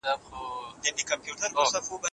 نوي نظریات د تبایۍ مخه نیسي.